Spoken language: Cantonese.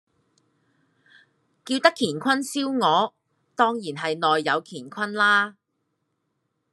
叫得乾坤燒鵝，當然係內有乾坤啦